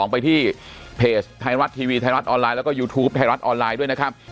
ไปที่เพจไทยรัฐทีวีไทยรัฐออนไลน์แล้วก็ยูทูปไทยรัฐออนไลน์ด้วยนะครับ